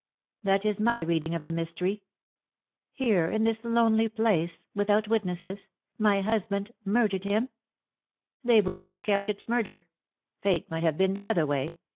" That is my reading of the mystery. "" Here in this lonely place — without witnesses — my husband murdered him V " They would not count it murder. Fate might have been the other way.